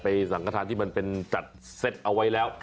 ไปสังกฐานที่มันเป็นจัดเสร็จเอาไว้แล้ว